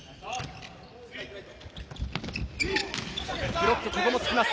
ブロック、ここもつきます。